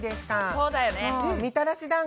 そうだよね。